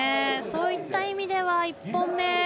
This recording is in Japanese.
そういった意味では１本目。